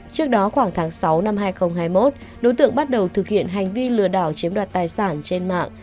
trước đó khoảng tháng sáu năm hai nghìn hai mươi một đối tượng bắt đầu thực hiện hành vi lừa đảo chiếm đoạt tài sản trên mạng